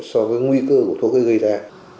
cho cái nguy cơ của thuốc ấy gây ra